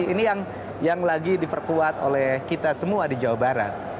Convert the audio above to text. ini yang lagi diperkuat oleh kita semua di jawa barat